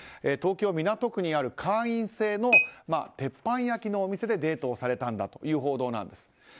東京・港区にある会員制の鉄板焼きのお店でデートをされたという報道です。